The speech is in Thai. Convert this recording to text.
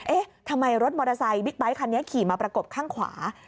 เอ๊ะทำไมรถมอเตอร์ไซค์บิ๊กไบท์คันนี้ขี่มาประกบข้างขวา